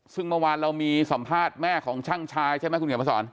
ซึ่งเมื่อวานเรามีสัมภาษณ์แม่ของช่างชายใช่ไหมคุณเขียนมาสอน